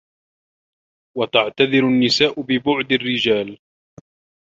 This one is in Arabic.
وَتَعْتَذِرُ النِّسَاءُ بِبُعْدِ الرِّجَالِ